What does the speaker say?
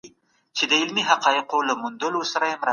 د نویو ونو کښينول د هېواد د ښکلا سبب ګرځي.